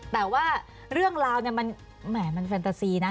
แต่ว่าเรื่องราวเนี่ยมันแหมมันแฟนตาซีนะ